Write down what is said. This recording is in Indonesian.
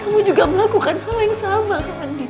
kamu juga melakukan hal yang sama ke andin